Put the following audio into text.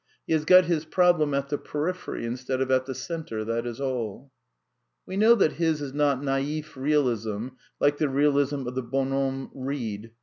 ^^ He has got his problem at the periphery instead of at the''"^^ centre, that is all. We know that his is not " naif realism," like the realism of the bonhomme Reid.